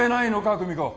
久美子